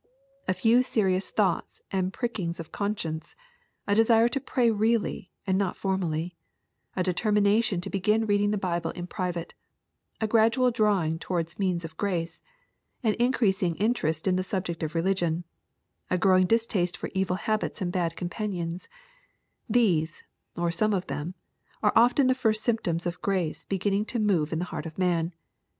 A few serious thoughts and prickings of conscience, — a desire to pray really and not formally, — a determination to begin reading the Bible in private, — a gradual drawing towards means of grace, — an increasing interest in the subject of religion, — a growing distaste for evil habits and bad companions, — these, or some of them, are often the first symptoms of grace beginning to move the heart of man.